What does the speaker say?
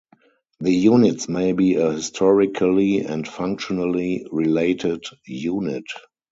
The units may be a historically and functionally related unit.